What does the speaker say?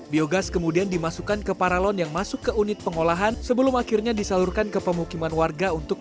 biogas kemudian dimasukkan ke paralon yang masuk ke unit pengolahan sebelum akhirnya disalurkan ke pemukiman warga untuk